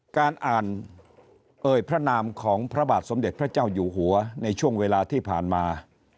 การอ่านเอ่ยพระนามของพระบาทสมเด็จพระเจ้าอยู่หัวในช่วงเวลาที่ผ่านมา